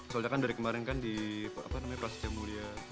soalnya kan dari kemarin di prasetya mulia